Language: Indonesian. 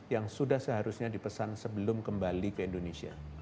yang sudah seharusnya dipesan sebelum kembali ke indonesia